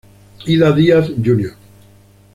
Ida Diaz Jr.